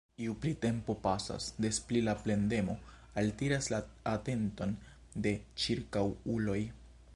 Ju pli tempo pasas, des pli la plendemo altiras la atenton de ĉirkaŭuloj.